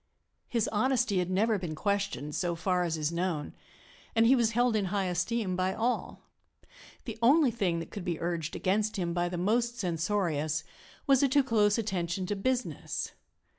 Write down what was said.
His honesty had never been questioned, so far as is known, and he was held in high esteem by all. The only thing that could be urged against him by the most censorious was a too close attention to business.